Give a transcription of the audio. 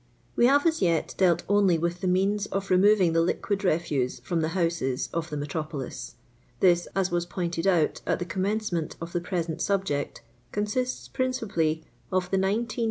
Wk have as yet dealt only with the means of removing the liquid refuse from the houses of the metropolis. This, as was pointed out at the commencement of the present subject, consists principally of the 19,000,000.